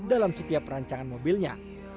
dalam setiap perancangan mobilnya